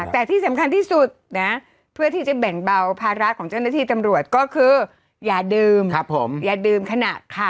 แต่ที่สำคัญที่สุดนะเพื่อที่จะแบ่งเบาพาระของเจ้าหน้